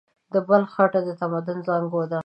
د بلخ خټه د تمدن زانګو ده.